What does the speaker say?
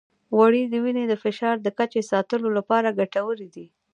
غوړې د وینې د فشار د کچې ساتلو لپاره ګټورې دي.